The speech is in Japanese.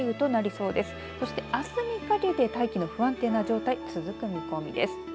そして、あすにかけて大気の不安定な状態、続く見込みです。